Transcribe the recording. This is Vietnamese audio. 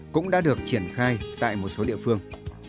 cũng đã được triển khai tại một số địa phương